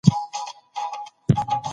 پر دې سربېره به په يرغلونو او جګړو کې